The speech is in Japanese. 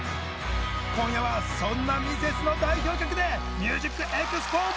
今夜はそんなミセスの代表曲で「ＭＵＳＩＣＥＸＰＯ」を盛り上げてくれます。